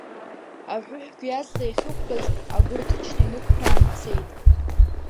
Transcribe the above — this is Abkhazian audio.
Аҳәыҳәгьы аҵла иахьықәтәаз, агәы рҭынчны инықәԥраан ицеит.